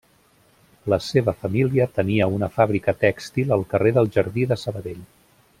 La seva família tenia una fàbrica tèxtil al carrer del Jardí de Sabadell.